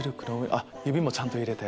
指もちゃんと入れて。